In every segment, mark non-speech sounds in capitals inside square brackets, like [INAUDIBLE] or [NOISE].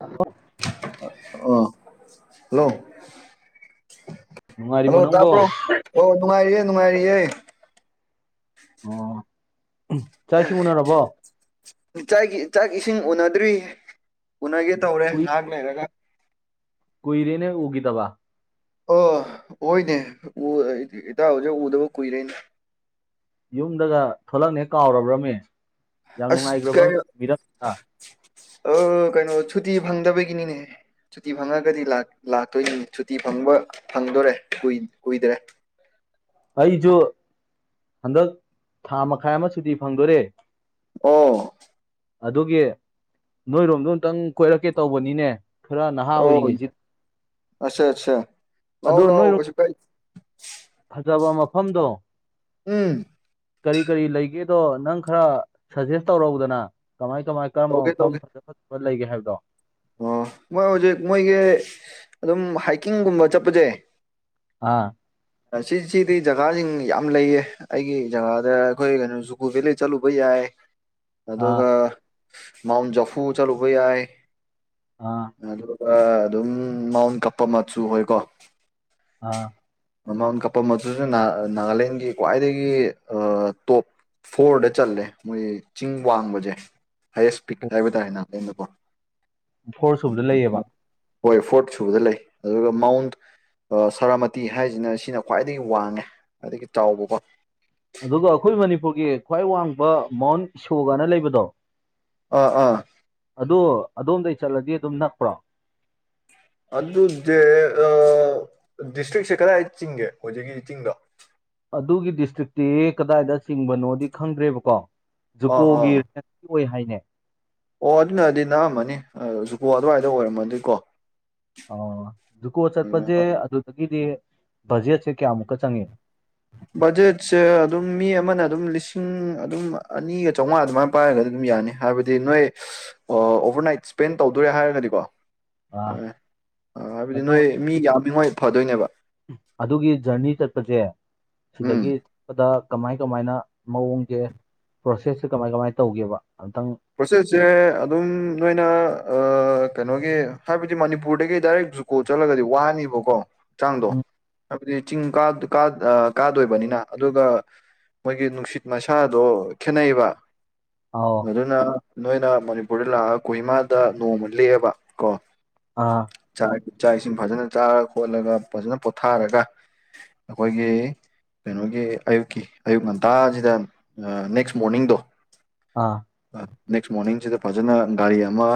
hello ꯑ hello ꯍꯜ ꯅꯨꯡꯉꯥꯏꯔꯤꯕꯣ ꯅꯪꯕꯣ ꯇꯥꯄ꯭ꯔꯣ ꯑꯣ ꯅꯨꯡꯉꯥꯏꯔꯤ ꯃꯥꯏꯔꯤꯑꯌꯦ ꯑꯣ ꯆꯥꯛ ꯏꯁꯤꯡ ꯎꯅꯔꯕꯣ ꯆꯥꯛꯒꯤ ꯆꯥꯛ ꯏꯁꯤꯡ ꯎꯅꯗ꯭ꯔꯤ ꯎꯅꯒꯤꯦ ꯇꯧꯔꯦ ꯉꯥꯏꯍꯥꯛ ꯂꯩꯔꯒ ꯀꯣꯏꯔꯦꯅꯦ ꯎꯒꯤꯗꯕ ꯑ ꯑꯣꯏꯣꯏꯅꯦ ꯏꯇ ꯍꯧꯖꯤꯛ ꯎꯗꯕ ꯀꯨꯏꯔꯦꯅꯦ ꯌꯨꯝꯗꯒ ꯊꯂꯛꯅꯦ ꯀꯥꯎꯔꯕ꯭ꯔꯅꯦ ꯌꯥꯝ ꯑꯁ ꯅꯨꯡꯉꯥꯏꯈ꯭ꯔꯕ ꯀꯩꯅꯣ ꯃꯤꯝ ꯑ ꯀꯩꯅꯣ ꯁꯨꯇꯤ ꯐꯪꯗꯕꯒꯤꯅꯤꯅꯦ ꯁꯨꯇꯤ ꯐꯪꯉꯒꯗꯤ ꯂꯥꯛꯇꯣꯏꯅꯤ ꯁꯨꯇꯤ ꯐꯪꯕ ꯐꯪꯗꯣꯔꯦ ꯀꯨꯏꯗ꯭ꯔꯦ [UNINTELLIGIBLE] ꯑꯩꯁꯨ ꯍꯟꯗꯛ ꯊꯥ ꯃꯈꯥꯏ ꯑꯃ ꯁꯨꯇꯤ ꯐꯪꯗꯣꯔꯦ ꯑꯣ ꯑꯗꯨꯒꯤ ꯅꯣꯏꯔꯣꯝꯗꯣ ꯑꯃꯨꯛꯇꯪ ꯀꯣꯏꯔꯛꯀꯦ ꯇꯧꯕꯅꯤꯅꯦ ꯈꯔ ꯅꯍꯥ ꯑꯣꯏꯔꯤꯉꯦꯁꯤ ꯑꯆꯥ ꯑꯆꯥ ꯂꯑꯣ ꯂꯑꯣ ꯅꯣꯏꯔꯣꯝ ꯀꯁꯨ ꯀꯥꯏ ꯐꯖꯕ ꯃꯐꯝꯗꯣ ꯎꯝ ꯀꯔꯤ ꯀꯔꯤ ꯂꯩꯒꯦ ꯑꯗꯣ ꯅꯪ ꯈꯔ ꯁꯖꯦꯁ ꯇꯧꯔꯎꯗꯅ ꯀꯃꯥꯏ ꯀꯃꯥꯏ ꯀꯔꯝꯕ ꯇꯧꯒꯦ ꯃꯐꯝ ꯇꯧꯒꯦ ꯐꯖ ꯐ ꯍ ꯂꯩꯒꯦ ꯍꯥꯏꯕꯗꯣ ꯑꯣ ꯃꯣꯏ ꯍꯧꯖꯤꯛ ꯃꯣꯏꯒꯤ ꯑꯗꯨꯝ ꯍꯥꯏꯀꯤꯡꯒꯨꯝꯕ ꯆꯠꯄꯁꯦ ꯑꯥ ꯁꯤꯁꯤꯗꯤ ꯖꯒꯥꯁꯤꯡ ꯌꯥꯝ ꯂꯩꯌꯦ ꯑꯩꯒꯤ ꯖꯒꯥꯗ ꯑꯩꯈꯣꯏ ꯀꯩꯅꯣ ꯖꯨꯀꯨ ꯚꯦꯂꯤ ꯆꯠꯂꯨꯕ ꯌꯥꯏ ꯑꯥ ꯑꯗꯨꯒ ꯃꯥꯎꯟ ꯖꯐꯨ ꯆꯠꯂꯨꯕ ꯌꯥꯏ ꯑꯥ ꯑꯗꯨꯒ ꯑꯗꯨꯝ ꯃꯥꯎꯟ ꯀꯞꯄ ꯃꯆꯨ ꯑꯣꯏꯀꯣ ꯑꯥ ꯃꯥꯎꯟ ꯀꯄ ꯑꯗꯨꯁꯨ ꯅꯥꯒꯥꯂꯦꯟꯒꯤ ꯈ꯭ꯋꯥꯏꯗꯒꯤ ꯇꯣꯞ ꯐꯣꯔꯗ ꯆꯜꯂꯦ ꯃꯣꯏ ꯆꯤꯡ ꯋꯥꯡꯕꯁꯦ ꯍꯥꯏꯌꯦꯁ ꯄꯤꯛ ꯍꯥꯏꯕ ꯇꯥꯥꯏꯦꯅ ꯑꯩꯅꯀꯣ ꯐꯣꯔ ꯁꯨꯕꯗ ꯂꯩꯌꯦꯕ ꯍꯣꯏ ꯐꯣꯔꯠ ꯁꯨꯕꯗ ꯂꯩ ꯑꯗꯨꯒ ꯃꯥꯎꯟ ꯁꯔꯥꯃꯇꯤ ꯍꯥꯏꯁꯤꯅ ꯁꯤꯅ ꯈ꯭ꯋꯥꯏꯗꯒꯤ ꯋꯥꯡꯉꯦ ꯈ꯭ꯋꯥꯏꯗꯒꯤ ꯆꯥꯎꯕꯀꯣ ꯑꯗꯨꯒ ꯑꯩꯈꯣꯏ ꯃꯅꯤꯄꯨꯔꯒꯤ ꯈ꯭ꯋꯥꯏ ꯋꯥꯡꯕ ꯃꯥꯎꯟ ꯏꯁꯣꯒꯅ ꯂꯩꯕꯗꯣ ꯑꯥ ꯑꯥ ꯑꯗꯣꯝꯗꯒꯤꯩ ꯆꯠꯂꯗꯤ ꯑꯗꯨꯝ ꯅꯛꯄ꯭ꯔꯣ ꯑꯗꯨ ꯑꯗꯨꯖꯦ ꯑ ꯗꯤꯁꯇ꯭ꯔꯤꯛꯁꯦ ꯀꯗꯥꯏ ꯆꯤꯡꯒꯦ ꯍꯧꯖꯤꯛꯀꯤ ꯆꯤꯡꯗꯣ ꯑꯗꯨꯒꯤ ꯗꯤꯁꯇ꯭ꯔꯤꯛꯇꯤ ꯀꯗꯥꯏꯗ ꯆꯤꯡꯕꯅꯣꯗꯤ ꯈꯪꯗ꯭ꯔꯦꯕꯀꯣ ꯑꯥ ꯖꯨꯀꯣꯒꯤ ꯑꯥ ꯑꯣꯏ ꯍꯥꯏꯅꯦ ꯑꯣ ꯑꯗꯨꯅꯗꯤ ꯅꯅꯥꯑꯝꯃꯅꯤ ꯖꯨꯀꯣ ꯑꯗꯨꯋꯥꯏꯗ ꯑꯣꯏꯔꯝꯃꯗꯤꯀꯣ ꯑ ꯖꯨꯀꯣ ꯎꯝ, ꯆꯠꯄꯁꯦ ꯑꯗꯨꯗꯒꯤꯗꯤ ꯖꯤꯁꯦ ꯀ ꯑꯃꯨꯀ ꯆꯪꯉꯦ ꯕꯖꯦꯠꯁꯦ ꯑꯗꯨꯝ ꯃꯤ ꯑꯃꯅ ꯑꯗꯨꯝ ꯂꯤꯁꯤꯡ ꯑꯗꯨꯝ ꯑꯅꯤꯒ ꯆꯥꯝꯃꯉꯥ ꯑꯗꯨꯃꯥꯏꯅ ꯄꯥꯏꯔꯒ ꯑꯗꯨꯝ ꯌꯥꯅꯤ ꯍꯥꯏꯕꯗꯤ ꯅꯣꯏ ꯑꯣꯚꯔ ꯏꯠ ꯏꯁꯄꯦꯟ ꯇꯧꯗꯣꯔꯦ ꯍꯥꯏꯔꯒꯗꯤꯀꯣ ꯑꯥ ꯑꯣ ꯑꯥ ꯍꯥꯏꯕꯗꯤ ꯑꯗꯣ ꯅꯣꯏ ꯃꯤ ꯌꯥꯝꯃꯤꯉꯣꯏ ꯐꯗꯣꯏꯅꯦꯕ ꯑꯗꯨꯒꯤ ꯖꯔꯅꯤ ꯆꯠꯄꯁꯦ ꯎꯝ ꯁꯤꯗꯒꯤ ꯆꯠꯄꯗ ꯀꯃꯥꯏ ꯀꯃꯥꯏꯅ ꯃꯑꯣꯡꯁꯦ ꯄ꯭ꯔꯣꯁꯦꯁꯁꯦ ꯀꯃꯥꯏ ꯀꯃꯥꯏꯅ ꯇꯧꯒꯦꯕ ꯑꯝꯇꯪ ꯄ꯭ꯔꯣꯁꯦꯁꯁꯦ ꯑꯗꯨꯝ ꯅꯣꯏꯅ ꯀꯩꯅꯣꯒꯤ ꯍꯥꯏꯕꯗꯤ ꯃꯅꯤꯄꯨꯔꯗꯒꯤ ꯗꯥꯏꯔꯦꯛ ꯖꯨꯀꯣ ꯆꯠꯂꯒꯗꯤ ꯋꯥꯅꯤꯕꯀꯣ ꯍꯛꯆꯥꯡꯗꯣ ꯎꯝ ꯍꯥꯏꯕꯗꯤ ꯆꯤꯡ ꯀꯥꯗꯣꯏꯕꯅꯤꯅ ꯑꯗꯨꯒ ꯃꯣꯏꯒꯤ ꯅꯨꯡꯁꯤꯠ ꯃꯁꯥꯗꯣ ꯈꯦꯠꯅꯩꯕ ꯑ ꯑꯗꯨꯅ ꯅꯣꯏꯅ ꯃꯅꯤꯄꯨꯔꯗ ꯂꯥꯛꯑ ꯀꯣꯍꯤꯃꯥꯗ ꯅꯣꯡꯃ ꯂꯦꯛꯑꯦꯕ ꯀꯣ ꯑꯥ ꯏꯥꯛ ꯏꯁꯤꯡ ꯐꯖꯅ ꯆꯥꯔ ꯈꯣꯠꯂꯒ ꯐꯖꯅ ꯄꯣꯊꯥꯔꯒ ꯑꯩꯈꯣꯏꯒꯤ ꯀꯩꯅꯣꯒꯤ ꯑꯌꯨꯛꯀꯤ ꯑꯌꯨꯛ ꯉꯟꯇꯥꯁꯤꯗ ꯅꯦꯛꯁ ꯃꯣꯔꯅꯤꯡꯗꯣ ꯑꯥ ꯅꯦꯛꯁ ꯃꯣꯔꯅꯤꯡꯁꯤꯗ ꯐꯖꯅ ꯒꯥꯔꯤ ꯑꯃ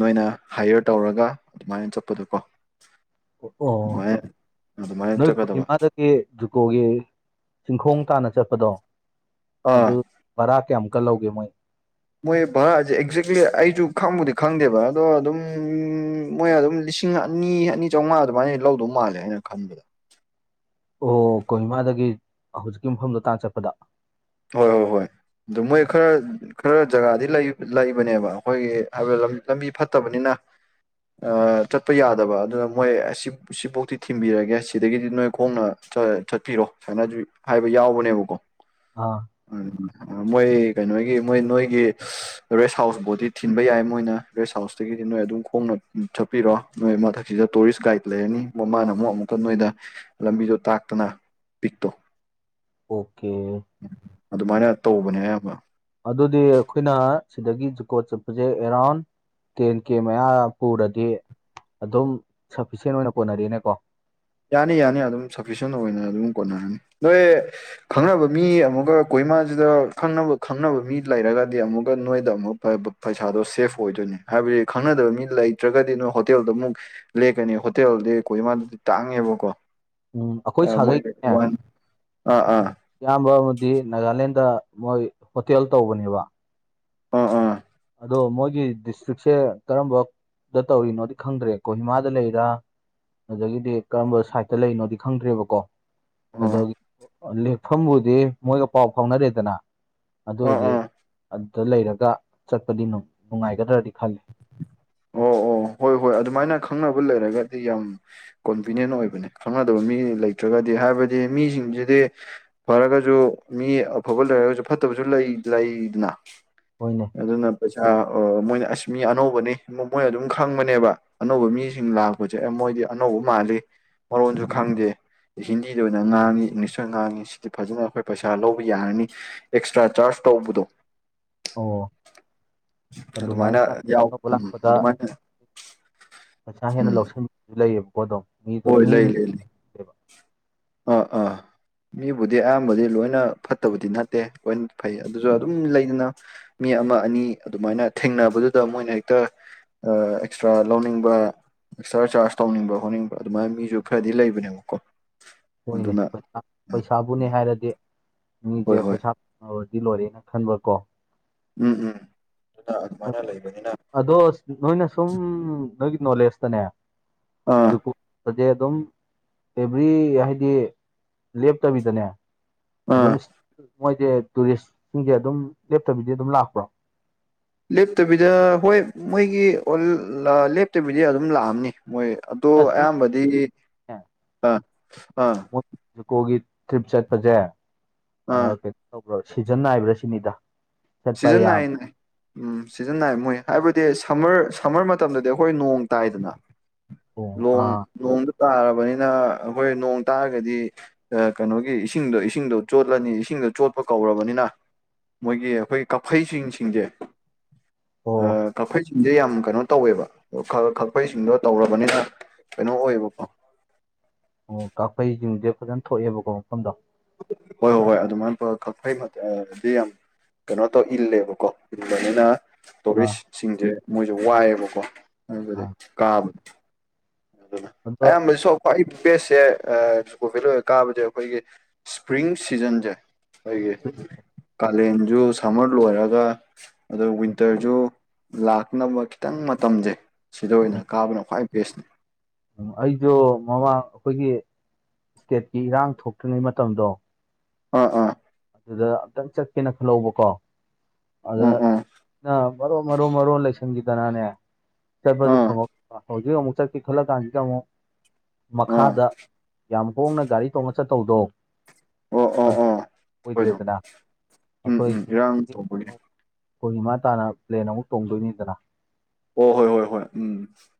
ꯅꯣꯏꯅ ꯍꯥꯏꯌꯔ ꯇꯧꯔꯒ ꯑꯗꯨꯃꯥꯏꯅ ꯆꯠꯄꯗ ꯀꯣ ꯑꯣ ꯑꯗꯨꯃꯥꯏꯅ ꯅꯣꯏ ꯆꯠꯀꯗꯕ ꯀꯍꯤꯃꯥꯗꯗꯒꯤ ꯖꯨꯀꯣꯒꯤ ꯆꯤꯡꯈꯣꯡ ꯃꯈ ꯇꯥꯅ ꯆꯠꯄꯗꯣ ꯑꯥ ꯑꯗꯨ ꯚꯔꯥ ꯀꯌꯥꯃꯨꯛꯀ ꯂꯧꯒꯦ ꯃꯣꯏ ꯃꯣꯏ ꯚꯥꯔꯥꯁꯦ ꯑꯦꯛꯖꯦꯛꯂꯤ ꯑꯩꯁꯨ ꯈꯪꯕꯨꯗꯤ ꯈꯪꯗꯦꯕ ꯑꯗꯣ ꯑꯗꯨꯝ ꯃꯣꯏ ꯑꯗꯨꯝ ꯂꯤꯁꯤꯡ ꯑꯅꯤ ꯑꯅꯤ ꯆꯥꯝꯃꯉꯥ ꯑꯗꯨꯃꯥꯏꯅ ꯂꯧꯗꯧ ꯃꯥꯜꯂꯦ ꯑꯩꯅ ꯈꯟꯕꯗ ꯑꯣ ꯀꯣꯍꯤꯃꯥꯗꯒꯤ ꯍꯧꯖꯤꯛꯀꯤ ꯃꯐꯝꯗꯣ ꯇꯥꯡ ꯆꯠꯄꯗ ꯍꯣꯏ ꯍꯣꯏ ꯍꯣꯏ ꯑꯗꯨ ꯃꯣꯏ ꯈꯔ ꯈꯔ ꯖꯒꯥꯗꯤ ꯂꯩꯕꯅꯦꯕ ꯑꯩꯈꯣꯏꯒꯤ ꯍꯥꯏꯕ ꯂꯝꯕꯤ ꯐꯠꯇꯕꯅꯤꯅ ꯆꯠꯄ ꯌꯥꯗꯕ ꯑꯗꯨꯅ ꯃꯣꯏ ꯑꯁꯤ ꯁꯤꯐꯥꯎꯇꯤ ꯊꯤꯟꯕꯤꯔꯒꯦ ꯁꯤꯗꯒꯤꯗꯤ ꯅꯣꯏ ꯈꯣꯡꯅ ꯆꯠꯄꯤꯔꯣ ꯁꯨꯃꯥꯏꯅ ꯍꯥꯏꯕ ꯌꯥꯎꯕꯅꯦꯕꯀꯣ ꯑꯥ ꯎꯝ ꯃꯣꯏ ꯀꯩꯅꯣꯒꯤ ꯃꯣꯏ ꯅꯣꯏꯒꯤ ꯔꯦꯁ ꯍꯥꯎꯁ ꯕꯣꯗꯤ ꯊꯤꯟꯕ ꯌꯥꯏ ꯃꯣꯏꯅ ꯔꯦꯁ ꯍꯥꯎꯁꯇꯒꯤ ꯑꯩꯗꯤ ꯅꯣꯏ ꯑꯗꯨꯝ ꯈꯣꯡꯅ ꯆꯠꯄꯤꯔꯣ ꯅꯣꯏ ꯃꯊꯛꯁꯤꯗ ꯇꯨꯔꯤꯁ ꯒꯥꯏꯗ ꯂꯩꯔꯅꯤ ꯃꯃꯥꯅ ꯑꯃꯨꯛ ꯑꯃꯨꯛꯀ ꯅꯣꯏꯗ ꯂꯝꯕꯤꯗꯣ ꯇꯥꯛꯇꯅ ꯄꯤꯛꯇꯣ ꯑꯣꯀꯦ ꯑꯗꯨꯃꯥꯏꯅ ꯇꯧꯕꯅꯦ ꯑꯌꯥꯝꯕ ꯑꯗꯨꯗꯤ ꯑꯩꯈꯣꯏꯅ ꯁꯤꯗꯒꯤ ꯖꯨꯀꯣ ꯆꯠꯄꯁꯦ ꯑꯦꯔꯥꯎꯟ ꯇꯦꯟ ꯀꯦ ꯃꯌꯥ ꯄꯨꯔꯗꯤ ꯑꯗꯨꯝ ꯁꯐꯤꯁꯦꯟ ꯑꯣꯏꯅ ꯀꯣꯟꯅꯔꯤꯅꯦꯀꯣ ꯌꯥꯅꯤ ꯌꯥꯅꯤ ꯑꯗꯨꯝ ꯁꯐꯤꯁꯦꯟ ꯑꯣꯏꯅ ꯑꯗꯨꯝ ꯀꯣꯟꯅꯔꯅꯤ ꯅꯣꯏ ꯈꯪꯅꯕ ꯃꯤ ꯑꯃꯒ ꯀ ꯏꯃꯥꯁꯤꯗ ꯈꯪꯅꯕ ꯈꯪꯅꯕ ꯃꯤ ꯂꯩꯔꯒꯗꯤ ꯑꯃꯨꯛꯀ ꯅꯣꯏꯗ ꯑꯃꯨꯛ ꯄꯩꯁꯥꯗꯣ ꯁꯦꯐ ꯑꯣꯏꯗꯣꯏꯅꯦ ꯍꯥꯏꯕꯗꯤ ꯈꯪꯅꯗꯕ ꯃꯤ ꯂꯩꯇ꯭ꯔꯒꯗꯤ ꯅꯣꯏ ꯍꯣꯇꯦꯜꯗ ꯑꯃꯨꯛ ꯂꯦꯛꯀꯅꯤ ꯍꯣꯇꯦꯜꯗꯤ ꯑꯩꯈꯃꯗ ꯇꯥꯡꯉꯦꯕꯀꯣ ꯎꯝ ꯑꯩꯈꯣꯏ ꯃꯣꯏꯅ ꯁꯥꯒꯩꯅꯦ ꯋꯥꯟ ꯑꯥ ꯑꯥ ꯏꯌꯥꯝꯕ ꯑꯃꯗꯤ ꯅꯥꯒꯥꯂꯦꯟꯗ ꯃꯣꯏ ꯍꯣꯇꯦꯜ ꯇꯧꯕꯅꯦꯕ ꯎꯝ ꯎꯝ ꯑꯗꯣ ꯃꯣꯏꯒꯤ ꯗꯤꯁꯇ꯭ꯔꯤꯛꯁꯦ ꯀꯔꯝꯕꯗ ꯇꯧꯔꯤꯅꯣꯗꯤ ꯈꯪꯗ꯭ꯔꯦ ꯀꯣꯍꯤꯃꯥꯗ ꯂꯩꯔ ꯑꯗꯒꯤꯗꯤ ꯀꯔꯝꯕ ꯁꯥꯏꯠꯇ ꯂꯩꯅꯣꯗꯤ ꯈꯪꯗ꯭ꯦꯕꯀꯣ ꯑꯥ ꯑꯒꯤ ꯂꯦꯛꯐꯝꯕꯨꯗꯤ ꯃꯣꯏꯒ ꯄꯥꯎ ꯐꯥꯎꯅꯔꯦꯗꯅ ꯑꯗꯨ ꯑꯥ ꯑꯣꯏꯔꯗꯤ ꯑꯥ ꯑꯗꯨꯗ ꯂꯩꯔꯒ ꯆꯠꯄꯗꯤ ꯅꯨꯡꯉꯥꯏꯒꯗ꯭ꯔꯗꯤ ꯈꯂꯦ ꯑꯣ ꯑꯣ ꯍꯣꯏ ꯍꯣꯏ ꯑꯗꯨꯃꯥꯏꯅ ꯈꯪꯅꯕ ꯂꯩꯔꯒꯗꯤ ꯌꯥꯝ ꯀꯣꯟꯚꯤꯅꯤꯌꯦꯟ ꯑꯣꯏꯕꯅꯦ ꯈꯪꯅꯗꯕ ꯃꯤ ꯂꯩꯇ꯭ꯔꯒꯗꯤ ꯍꯥꯏꯕꯗꯤ ꯃꯤꯁꯤꯡꯁꯤꯗꯤ ꯐꯔꯒꯁꯨ ꯃꯤ ꯑꯐꯕ ꯂꯩꯔꯒꯁꯨ ꯐꯠꯇꯕ ꯀ ꯂꯩꯗꯅ ꯍꯣꯏꯅꯦ ꯑꯗꯨꯅ ꯄꯩꯁꯥ ꯃꯣꯏꯅ ꯑꯁ ꯃꯤ ꯑꯅꯧꯕꯅꯤ ꯃꯣꯏꯅ ꯑꯗꯨꯝ ꯈꯪꯕꯅꯦꯕ ꯑꯅꯧꯕ ꯃꯤꯁꯤꯡ ꯂꯥꯛꯄꯁꯦ ꯑꯦ ꯃꯣꯏꯗꯤ ꯑꯅꯧꯕ ꯃꯥꯜꯂꯤ ꯃꯔꯣꯟꯁꯨ ꯈꯪꯗꯦ ꯍꯤꯟꯗꯤꯗ ꯑꯣꯏꯅ ꯉꯥꯡꯉꯤ ꯏꯪꯂꯤꯁꯇ ꯑꯣꯏꯅ ꯉꯥꯡꯉꯤ ꯁꯤꯗꯤ ꯐꯖꯅ ꯑꯩꯈꯣꯏ ꯄꯩꯁꯥ ꯂꯧꯕ ꯌꯥꯔꯅꯤ ꯑꯦꯛꯁꯇ꯭ꯔꯥ ꯆꯥꯔꯖ ꯇꯧꯕꯗꯣ ꯑꯣ ꯑꯗꯨꯃꯥꯏꯅ ꯌꯥꯎ ꯎꯝ ꯂꯥꯛꯄꯗ ꯑꯗꯨꯃꯥꯏꯅ ꯄꯩꯁꯥ ꯍꯦꯟꯅ ꯎꯝ ꯂꯧꯁꯤꯟꯕꯁꯨ ꯂꯩꯌꯦꯕ ꯍꯗ ꯃꯤꯗꯨ ꯃꯤꯦꯕ ꯑ ꯑꯥ ꯃꯤꯕꯨꯗꯤ ꯑꯌꯥꯝꯕꯗꯤ ꯂꯣꯏꯅ ꯐꯠꯇꯕꯗꯤ ꯅꯠꯇꯦ ꯂꯣꯏꯅ ꯐꯩ ꯑꯗꯨꯁꯨ ꯑꯗꯨꯝ ꯂꯩꯗꯅ ꯑ ꯑꯃ ꯑꯅꯤ ꯑꯗꯨꯃꯥꯏꯅ ꯊꯦꯡꯅꯕꯗꯨꯗ ꯃꯣꯏꯅ ꯍꯦꯛꯇ ꯑꯦꯛꯁꯇ꯭ꯔꯥ ꯂꯧꯅꯤꯡꯕ ꯑꯦꯛꯁꯇ꯭ꯔꯥ ꯆꯥꯔꯖ ꯇꯧꯅꯤꯡꯕ ꯈꯣꯠꯅꯤꯡꯕ ꯑꯗꯨꯃꯥꯏꯅ ꯃꯤꯁꯨ ꯈꯔꯗꯤ ꯂꯩꯕꯅꯦꯕꯀꯣ ꯍꯣꯏꯅꯦ ꯑꯗꯨꯅ ꯄꯩꯁꯥꯕꯨꯅꯦ ꯍꯥꯏꯔꯗꯤ ꯍꯣꯏ ꯃꯤꯁꯦ ꯍꯣꯏ ꯄꯩꯁꯥ ꯗꯤ ꯂꯣꯏꯔꯦꯅ ꯈꯟꯕ ꯀꯣ ꯎꯝ ꯎꯝ ꯑꯗꯨꯅ ꯑꯗꯨꯃꯥꯏꯅ ꯂꯩꯕꯅꯤꯅ ꯑꯗꯣ ꯅꯣꯏꯅ ꯁꯨꯝ ꯅꯣꯏꯒꯤ ꯅꯣꯂꯦꯖꯇꯅꯦ ꯑꯥ ꯗꯦ ꯑꯗꯨꯝ ꯑꯦꯕ꯭ꯔꯤ ꯍꯥꯏꯗꯤ ꯂꯦꯞꯇꯕꯤꯗꯅꯦ ꯑꯥ ꯑꯗꯨꯝ ꯃꯣꯏꯁꯦ ꯇꯨꯔꯤꯁꯁꯤꯡꯁꯦ ꯑꯗꯨꯝ ꯂꯦꯞꯇꯕꯤꯗꯤ ꯑꯗꯨꯝ ꯂꯥꯛꯄ꯭ꯔꯣ ꯂꯦꯞꯇꯕꯤꯗ ꯍꯣꯏ ꯃꯣꯏꯒꯤ ꯂꯦꯞꯇꯕꯤꯗ ꯑꯗꯨꯝ ꯂꯥꯛꯑꯝꯅꯤ ꯃꯣꯏ ꯑꯗꯣ ꯁꯨꯝ ꯑꯌꯥꯝꯕꯗꯤ ꯅꯦ ꯑꯥ ꯑꯥ ꯃꯣꯏ ꯖꯨꯀꯣꯒꯤ ꯇ꯭ꯔꯤꯞ ꯆꯠꯄꯁꯦ ꯑꯥ ꯀꯩꯅꯣ ꯇꯧꯕ꯭ꯔꯥ ꯁꯤꯖꯟ ꯅꯥꯏꯕ꯭ꯔꯥ ꯁꯤꯅꯤꯗ ꯆꯠꯄ ꯁꯤꯖꯟ ꯌꯥꯕ ꯅꯥꯏꯅꯦ ꯎꯝ ꯁꯤꯖꯟ ꯅꯥꯏꯟ ꯃꯣꯏ ꯍꯥꯏꯕꯗꯤ ꯁꯝꯃꯔ ꯁꯝꯃꯔ ꯃꯇꯝꯗꯗꯤ ꯑꯩꯈꯣꯏ ꯅꯣꯡ ꯇꯥꯏꯗꯅ ꯑꯣ ꯅꯣꯡ ꯑꯥ ꯅꯣꯡꯗ ꯇꯥꯔꯕꯅꯤꯅ ꯑꯩꯈꯣꯏ ꯅꯣꯡ ꯇꯥꯔꯒꯗꯤ ꯀꯩꯅꯣꯒꯤ ꯏꯁꯤꯡꯗꯣ ꯏꯁꯤꯡꯗꯣ ꯆꯣꯠꯂꯅꯤ ꯏꯁꯤꯡ ꯆꯣꯠꯄ ꯀꯧꯔꯕꯅꯤꯅ ꯃꯣꯏꯒꯤ ꯑꯩꯈꯣꯏꯒꯤ ꯀꯥꯐꯩ ꯁꯤꯡꯁꯦ ꯑꯣ ꯁꯤꯡꯁꯦ ꯌꯥꯝ ꯀꯩꯅꯣ ꯇꯧꯋꯦꯕ ꯈꯛꯄꯩꯁꯤꯡꯗꯣ ꯇꯧꯔꯕꯅꯤꯅ ꯀꯩꯅꯣ ꯑꯣꯏꯌꯦ ꯄꯄ ꯑꯣ ꯀꯥꯐꯩꯁꯤꯡꯁꯦ ꯐꯖꯅ ꯊꯣꯛꯑꯦꯕꯀꯣ ꯃꯐꯝꯗꯣ ꯍꯣꯏ ꯍꯣꯏ ꯍꯣꯏ ꯑꯗꯨꯃꯥꯏꯅ ꯈꯛ ꯐꯩꯗꯤ ꯌꯥꯝ ꯀꯩꯅꯣ ꯇꯧ ꯏꯜꯂꯦꯕꯀꯣ ꯏꯜꯕꯅꯤꯅ ꯑꯥ ꯇꯨꯔꯤꯁ ꯁꯤꯡꯁꯦ ꯃꯣꯏꯁꯦ ꯋꯥꯏꯑꯦꯕꯀꯣ ꯑꯗꯨꯒꯗꯤ ꯑꯥ ꯀꯥꯕꯗ ꯑꯗꯣ ꯑꯌꯥꯝꯕꯥ ꯁꯣ ꯄꯥꯏ ꯕꯦꯁꯁꯦ ꯀꯣ ꯚꯦꯂꯔꯒ ꯀꯥꯕꯁꯦ ꯑꯩꯈꯣꯏꯒꯤ ꯁꯄ꯭ꯔꯤꯡ ꯁꯤꯖꯟꯁꯦ ꯑꯩꯈꯣꯏꯒꯤ ꯀꯥꯂꯦꯟꯖ ꯁꯝꯃꯔ ꯂꯣꯏꯔꯒ ꯑ ꯋꯤꯟꯇꯔꯖ ꯂꯥꯛꯅꯕ ꯈꯤꯇꯪ ꯃꯇꯝꯁꯦ ꯁꯤꯗ ꯑꯣꯏꯅ ꯀꯥꯕꯅ ꯈ꯭ꯋꯥꯏ ꯕꯦꯁꯅꯤ ꯎꯝ ꯑꯩꯁꯨ ꯃꯃꯥꯡ ꯑꯩꯈꯣꯏꯒꯤ ꯏꯁꯇꯦꯠꯀꯤ ꯏꯔꯥꯡ ꯊꯣꯛꯇ꯭ꯔꯤꯉꯩ ꯃꯇꯝꯗꯣ ꯑ ꯑ ꯑꯗꯨꯗ ꯑꯝꯇꯪ ꯆꯠꯀꯦꯅ ꯈꯜꯍꯧꯕꯀꯣ ꯑꯗ ꯑꯥ ꯑꯥ ꯃꯔꯨ ꯃꯔꯨ ꯃꯔꯣꯟ ꯂꯩꯁꯟꯈꯤꯗꯅꯅꯦ ꯆꯠꯄꯁꯨ ꯑꯥ ꯐꯪꯉ ꯍꯧꯖꯤꯛ ꯑꯃꯨ ꯆꯠꯀꯦ ꯈꯜꯂꯀꯥꯟꯖꯤꯗ ꯑꯃꯨꯛ ꯑꯥ ꯃꯈꯥꯗ ꯌꯥꯝ ꯍꯣꯡꯅ ꯒꯥꯔꯤ ꯇꯣꯡꯉ ꯆꯠꯇꯧꯗꯣ ꯑꯣ ꯑꯣ ꯑꯗꯨ ꯑꯣ ꯑꯣꯏꯗꯣ ꯑꯣꯏꯗ꯭ꯔꯦꯗꯅ ꯎꯝ ꯎꯝ ꯏꯔꯥꯡ ꯇꯧꯕꯒꯤ ꯍꯈꯣꯏ ꯏꯃꯥ ꯇꯥꯅ ꯄ꯭ꯂꯦꯟ ꯑꯃꯨꯛ ꯇꯣꯡꯗꯣꯏꯅꯤꯗꯅ ꯑꯣ ꯍꯣꯏ ꯍꯣꯏ ꯍꯣꯏ ꯎꯝ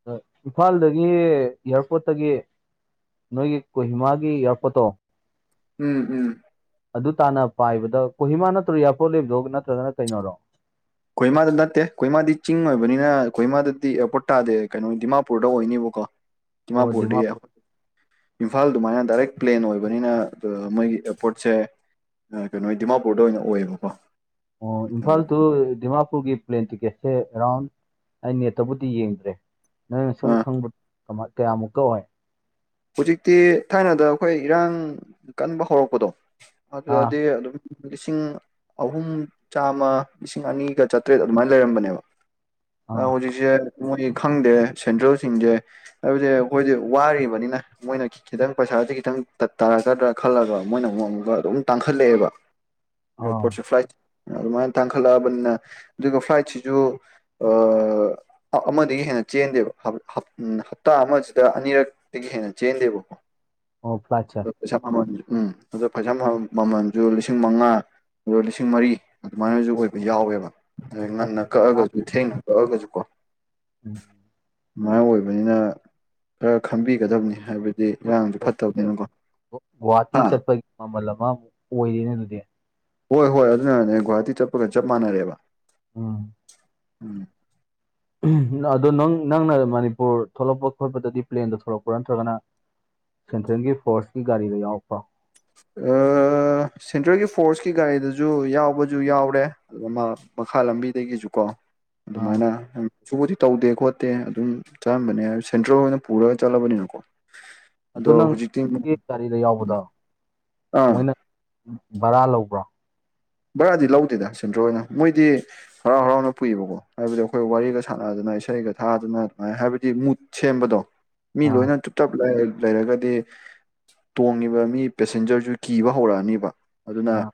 ꯑꯗ ꯏꯝꯐꯥꯜꯗꯒꯤ ꯏꯌꯥꯔꯄꯣꯔꯠꯇꯒꯤ ꯅꯣꯏꯒꯤ ꯀꯣꯍꯤꯃꯥꯒꯤ ꯌꯥꯔꯛꯄꯣꯠꯇꯣ ꯎꯝ ꯎꯝ ꯑꯗꯨ ꯇꯥꯅ ꯄꯥꯏꯕꯗ ꯀꯣꯍꯤꯃꯥ ꯅꯠꯇ꯭ꯔꯣ ꯏꯌꯥꯔꯄꯣꯠ ꯂꯩꯕꯗꯣ ꯅꯠꯇ꯭ꯔꯒꯅ ꯀꯩꯅꯔꯣ ꯑꯩꯈꯣꯏꯃꯥꯗ ꯅꯠꯇꯦ ꯑꯩꯈꯣꯏꯃꯥꯗꯤ ꯆꯤꯡ ꯑꯣꯏꯕꯅꯤꯅ ꯈꯣꯏꯃꯥꯗꯗꯤ ꯑꯦꯌꯥꯔꯄꯣꯔꯠ ꯇꯥꯗꯦ ꯀꯩꯅꯣ ꯗꯤꯃꯥꯄꯨꯔꯗ ꯑꯣꯏꯅꯤꯕꯣ ꯑꯣ ꯗꯤꯃꯥꯄꯨꯔꯗꯒꯤ ꯗꯤꯃꯥꯄꯨꯔ ꯏꯝꯐꯥꯜ ꯑꯗꯨꯃꯥꯏꯅ ꯗꯥꯏꯔꯦꯛ ꯄ꯭ꯂꯦꯟ ꯑꯣꯏꯕꯅꯤꯅ ꯃꯣꯏꯒꯤ ꯑꯦꯔꯄꯣꯔꯠꯁꯦ ꯀꯩꯅꯣ ꯗꯤꯃꯥꯄꯨꯔꯗ ꯑꯣꯏꯅ ꯑꯣꯏꯌꯦꯕꯀꯣ ꯑꯣ ꯏꯝꯐꯥꯜ ꯇꯨ ꯗꯤꯃꯥ ꯄꯨꯒꯤ ꯄ꯭ꯂꯦꯟ ꯇꯤꯀꯦꯠꯁꯦ ꯑꯦꯔꯥꯎꯟ ꯑꯩ ꯅꯦꯠꯇꯕꯨꯗꯤ ꯌꯦꯡꯗ꯭ꯔꯦ ꯅꯪꯅ ꯁꯨꯝ ꯑ ꯈꯪꯕ ꯀꯌꯥꯃꯨꯛꯀ ꯑꯣꯏ ꯍꯧꯖꯤꯛꯇꯤ ꯊꯥꯏꯅꯗ ꯑꯩꯈꯣꯏ ꯏꯔꯥꯡ ꯀꯟꯕ ꯍꯧꯔꯛꯄꯗꯣ ꯑꯥ ꯑꯗꯨꯗꯗꯤ ꯑꯗꯨꯝ ꯂꯤꯁꯤꯡ ꯑꯍꯨꯝ ꯆꯥꯝꯃ ꯂꯤꯁꯤꯡ ꯑꯅꯤꯒ ꯆꯥꯇ꯭ꯔꯦꯠ ꯑꯗꯨꯃꯥꯏꯅ ꯂꯩꯔꯝꯕꯅꯦꯕ ꯑꯥ ꯍꯧꯖꯤꯁꯤ ꯃꯣꯏ ꯈꯪꯗꯦ ꯁꯦꯟꯇ꯭ꯔꯦꯜꯁꯤꯡꯁꯦ ꯍꯥꯏꯕꯗꯤꯦ ꯑꯩꯈꯣꯏꯁꯦ ꯋꯥꯔꯤꯕꯅꯤꯅ ꯃꯣꯏꯅ ꯈꯤꯇꯪ ꯄꯩꯁꯥꯥꯁ ꯈꯤꯇꯪ ꯇꯥꯔꯛꯀꯗ꯭ꯔꯥ ꯈꯜꯂꯒ ꯃꯣꯏꯅ ꯑꯃꯨꯛ ꯑꯃꯨꯒ ꯑꯗꯨꯝ ꯇꯥꯡꯈꯠꯂꯛꯑꯦꯕ ꯑꯥ ꯑꯦꯔꯄꯣꯠꯁ ꯐ꯭ꯂꯥꯏꯠ ꯑꯗꯨꯃꯥꯏꯅ ꯇꯥꯡꯈꯠꯂꯛꯑꯕꯅꯤꯅ ꯑꯗꯨꯒ ꯐ꯭ꯂꯥꯏꯠꯁꯤꯁꯨ ꯑꯃꯗꯒꯤ ꯍꯦꯟ ꯆꯦꯟꯗꯦꯕ ꯍꯞꯇꯥ ꯑꯃꯁꯤꯗ ꯑꯅꯤꯔꯛꯇꯒꯤ ꯍꯦꯟꯅ ꯆꯦꯟꯗꯦꯕꯀꯣ ꯑꯣ ꯐ꯭ꯂꯥꯏꯠꯁꯦ [INAUDIBLE] ꯎꯝ ꯑꯗ ꯄꯩꯁꯥ ꯃꯃꯜꯁꯨ ꯂꯤꯁꯤꯡ ꯃꯉꯥ ꯑꯗꯣ ꯂꯤꯁꯤꯡ ꯃꯔꯤ ꯑꯗꯨꯃꯥꯏꯅꯁꯨ ꯑꯣꯏꯕ ꯌꯥꯎꯋꯦꯕ ꯑꯩ ꯑꯁ ꯉꯟꯅ ꯀꯛꯑꯒꯁꯨ ꯊꯦꯡꯅ ꯀꯛꯑꯒꯁꯨ ꯀꯣ ꯃꯥꯥꯏ ꯑꯣꯏꯕꯅꯤꯅ ꯈꯔ ꯈꯪꯕꯤꯒꯗꯕꯅꯤ ꯍꯥꯏꯕꯗꯨ ꯑꯗꯨ ꯏꯔꯥꯡꯁꯨ ꯐꯠꯇꯕꯅꯤꯅꯀꯣ ꯒꯨꯍꯥꯇꯤ ꯍꯥ ꯆꯠꯄꯒꯤ ꯃꯃꯜ ꯑꯃꯃꯨꯛ ꯑꯣꯏꯔꯦꯅꯦ ꯑꯗꯨꯗꯤ ꯍꯣꯏ ꯍꯣꯏ ꯑꯗꯨꯅꯅꯦ ꯒꯨꯧꯍꯥꯇꯤ ꯆꯠꯄꯒ ꯆꯞ ꯃꯥꯟꯅꯔꯦꯕ ꯎꯪ ꯎꯝ ꯎ ꯑꯗꯣ ꯅꯪ ꯅꯪꯅ ꯃꯅꯤꯄꯨꯔ ꯊꯣꯛꯂꯛꯄ ꯈꯣꯠꯄꯗꯗꯤ ꯄ꯭ꯂꯦꯟꯗ ꯊꯣꯛꯂꯛꯄ꯭ꯔꯥ ꯅꯠꯇ꯭ꯔꯒꯅ ꯁꯦꯟꯇ꯭ꯔꯦꯜꯒꯤ ꯐꯣꯔꯁꯀꯤ ꯒꯥꯔꯤꯗ ꯌꯥꯎꯔꯛꯄ ꯑ ꯁꯦꯟꯇ꯭ꯔꯦꯜꯒꯤ ꯐꯣꯔꯁꯀꯤ ꯒꯥꯔꯤꯗꯨꯁꯨ ꯌꯥꯎꯕꯁꯨ ꯌꯥꯎꯔꯦ ꯃꯈꯥ ꯂꯝꯕꯤꯗꯒꯤꯁꯨ ꯀꯣ ꯑꯥ ꯑꯗꯨꯃꯥꯏꯅ ꯁꯕꯨꯗꯤ ꯇꯧꯗꯦ ꯈꯣꯠꯇꯦ ꯑꯗꯨꯝ ꯆꯠꯂꯝꯝꯕꯅꯦ ꯁꯦꯟꯇ꯭ꯔꯦꯜ ꯑꯣꯏꯅ ꯄꯨꯔꯒ ꯆꯠꯂꯕꯅꯤꯅꯀꯣ ꯑꯗꯨ ꯑꯗꯣ ꯅꯪ ꯍꯧꯖꯤꯛꯇꯤ ꯁꯤꯒꯤ ꯒꯥꯔꯤꯗ ꯌꯥꯎꯕꯗꯣ ꯑꯥ ꯃꯣꯏꯅ ꯕꯔꯥ ꯂꯧꯕ꯭ꯔꯥ ꯚꯔꯥꯗꯤ ꯂꯧꯗꯦꯗ ꯁꯦꯟꯇ꯭ꯔꯣ ꯑꯣꯏꯅ ꯃꯣꯏꯗꯤ ꯍꯔꯥꯎ ꯍꯔꯥꯎꯅ ꯄꯨꯏꯕꯀꯣ ꯍꯥꯏꯕꯗꯤ ꯑꯩꯈꯣꯏ ꯋꯥꯔꯤꯒ ꯁꯥꯟꯅꯗꯅ ꯏꯁꯩꯒ ꯊꯥꯗꯅ ꯑꯗꯨꯃꯥꯏꯅ ꯍꯥꯏꯕꯗꯤ ꯃꯨꯠ ꯁꯦꯝꯕꯗꯣ ꯃꯤ ꯑꯥ ꯂꯣꯏꯅ ꯇꯞ ꯇꯞ ꯂꯩ ꯂꯩꯔꯒꯗꯤ ꯇꯣꯡꯉꯤꯕ ꯃꯤ ꯄꯦꯁꯦꯟꯖꯔꯁꯨ ꯀꯤꯕ ꯍꯧꯔꯛꯑꯅꯤꯕ ꯑꯗꯨꯅ ꯑꯥ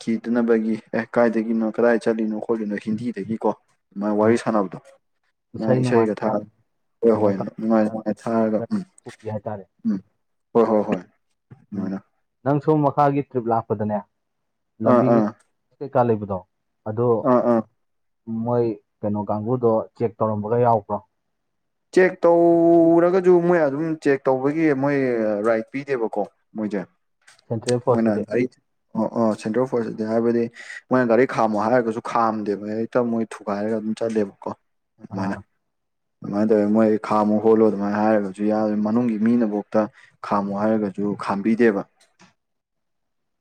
ꯈꯤꯗꯅꯕꯒꯤ ꯑꯦ ꯀꯥꯏꯗꯒꯤꯅꯣ ꯀꯗꯥꯏ ꯆꯠꯂꯤꯅꯣ ꯈꯣꯠꯂꯤꯅꯣ ꯍꯤꯟꯗꯤꯗꯒꯤꯀꯣ ꯃꯥꯥꯏ ꯎꯝ ꯋꯥꯔꯤ ꯁꯥꯟꯅꯕꯗꯣ ꯏꯁꯩ ꯃꯥꯥꯏ ꯅꯨꯡꯉꯥꯏ ꯏꯁꯩꯒ ꯊꯥꯔꯥ ꯍꯣꯏ ꯀꯩꯅꯣ ꯍꯣꯏ ꯇꯧ ꯅꯨꯡꯉꯥꯏ ꯅꯨꯡꯉꯥꯏ ꯊꯥꯔꯒ ꯎꯝ ꯄꯨꯕꯤ ꯍꯥꯏꯇꯥꯔꯦ ꯎꯝ ꯍꯣꯏ ꯍꯣꯏ ꯍꯣꯏ ꯎꯝ ꯑꯗꯨꯃꯥꯏꯅ ꯅꯪ ꯁꯣꯝ ꯃꯈꯥꯒꯤ ꯇ꯭ꯔꯤꯞ ꯂꯥꯛꯄꯗꯅꯦ ꯑꯥ ꯑꯥ ꯀꯥ ꯂꯩꯕꯗꯣ ꯑꯗꯣ ꯑꯥ ꯑꯥ ꯃꯣꯏ ꯀꯩꯅꯣ ꯀꯥꯡꯕꯨꯗꯣ ꯆꯦꯛ ꯇꯧꯔꯝꯕꯒ ꯌꯥꯎꯕ꯭ꯔꯣ ꯆꯦꯛ ꯇꯧꯔꯒꯁꯨ ꯃꯣꯏ ꯑꯗꯨꯝ ꯆꯦꯛ ꯇꯧꯕꯒꯤ ꯃꯣꯏ ꯔꯥꯏꯠ ꯄꯤꯗꯦꯕꯀꯣ ꯃꯣꯏ ꯁꯦꯟꯇ꯭ꯔꯦꯜ ꯃꯣꯏꯅ ꯐꯣꯔꯁꯇꯗꯤ ꯑꯩ ꯁꯦꯟꯇꯔ ꯐꯣꯔ ꯑꯗꯨ ꯍꯥꯏꯕꯗꯤ ꯃꯣꯏꯅ ꯒꯥꯔꯤ ꯈꯥꯝꯃꯣ ꯍꯥꯏꯔꯒꯁꯨ ꯈꯥꯝꯗꯦꯕ ꯍꯦꯛꯇ ꯃꯣꯏ ꯊꯨꯒꯥꯏꯔꯒ ꯑꯗꯨꯝ ꯆꯠꯂꯦꯕꯀꯣ ꯑꯥ ꯃꯥꯅ ꯑꯗꯨꯃꯥꯏꯅ ꯇꯧꯋꯦ ꯃꯣꯏ ꯈꯥꯝꯃꯣ ꯍꯣꯠꯂꯣ ꯑꯗꯨꯃꯥꯏꯅ ꯍꯥꯏꯔꯒꯁꯨ ꯌꯥ ꯃꯅꯨꯡꯒꯤ ꯃꯤꯅꯐꯧꯇ ꯈꯥꯝꯃꯣ ꯍꯥꯏꯔꯒꯁꯨ ꯈꯥꯝꯕꯤꯗꯦꯕ ꯗ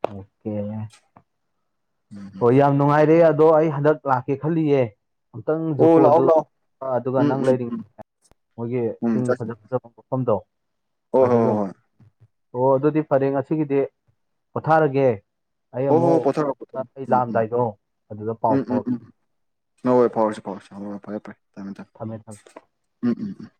ꯑꯣꯀꯦ ꯍꯣꯏ ꯌꯥꯝ ꯅꯨꯡꯉꯥꯏꯔꯦ ꯑꯗꯣ ꯑꯩ ꯍꯟꯗꯛ ꯂꯥꯛꯀꯦ ꯈꯜꯂꯤꯌꯦ ꯑꯃꯨꯛꯇꯪ ꯑꯣ ꯂꯥꯛꯑꯣ ꯖꯨꯀꯣꯁꯨ ꯂꯥꯛꯑꯣ ꯑꯗꯨꯒ ꯎꯝ ꯅꯪ ꯎꯝ ꯂꯩꯔꯤ ꯎꯝ ꯃꯣꯏꯒꯤ ꯎꯝ ꯆꯤꯡ ꯆꯠꯁꯤ ꯐꯖ ꯐꯖꯕ ꯃꯐꯝꯗꯣ ꯍꯣꯏ ꯑꯗꯨ ꯍꯣꯏ ꯑꯗꯨꯝ ꯍꯣꯏ ꯑꯣ ꯑꯗꯨꯗꯤ ꯐꯔꯦ ꯉꯁꯤꯒꯤꯗꯤ ꯄꯣꯊꯥꯔꯒꯦ ꯑꯩ ꯍꯣ ꯍꯣ ꯑꯃꯨꯛ ꯄꯣꯊꯥꯔꯣ ꯄꯣꯊꯔꯣ ꯑꯩ ꯎ ꯎꯝ ꯂꯥꯛꯑꯝꯗꯥꯏꯗꯣ ꯑꯗꯨꯗ ꯄꯥꯎ ꯎꯝ ꯎꯝ ꯎꯝ ꯐꯥꯎꯔꯛꯀꯦ ꯎꯝ ꯍ ꯍꯣꯏ ꯐꯥꯎꯔꯁꯤ ꯐꯥꯎꯔꯁꯤ ꯍ ꯐꯔꯦ ꯐꯔꯦ ꯊꯝꯃꯦ ꯊꯝꯃꯦ ꯎꯝ ꯎꯝ ꯎꯝ